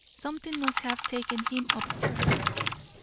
"Something must have taken him up stairs."